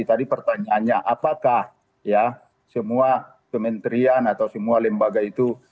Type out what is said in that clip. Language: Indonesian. tadi pertanyaannya apakah ya semua kementerian atau semua lembaga itu